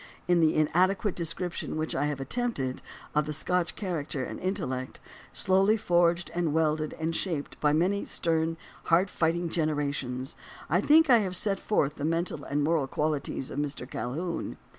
In the inadequate description which I have attempted of the Scotch character and intellect, slowly forged and welded and shaped by many stern, hard fighting gener ations, I think I have set forth the mental and moral qualities of Mr. Calhoun.